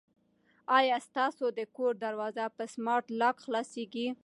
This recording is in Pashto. آیا ستاسو د کور دروازه په سمارټ لاک خلاصیږي؟